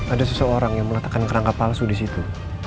ada seseorang yang meletakkan kerangka palsu di situ